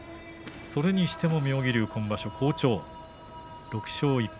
それにしても妙義龍、今場所好調６勝１敗